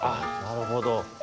なるほど。